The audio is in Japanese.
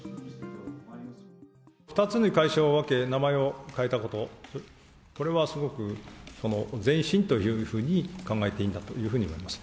２つに会社を分け名前を変えたこと、これはすごく前進というふうに考えていいんだというふうに思います。